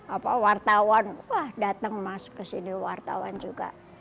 apa wartawan wah datang mas ke sini wartawan juga